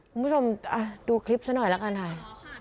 คุณผู้ชมดูคลิปซะหน่อยละกันค่ะ